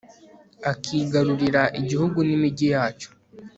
akigarurira igihugu n'imigi yacyo